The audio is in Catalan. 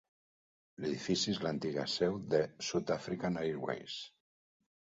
L'edifici és l'antiga seu de South African Airways.